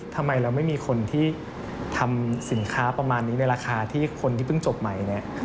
ทำไมเราไม่มีคนที่ทำสินค้าประมาณนี้ในราคาที่คนที่เพิ่งจบใหม่เนี่ย